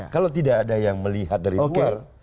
kalau tidak ada yang melihat dari luar